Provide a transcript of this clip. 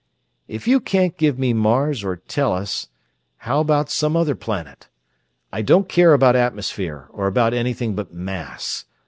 "If you can't give me Mars or Tellus, how about some other planet? I don't care about atmosphere, or about anything but mass.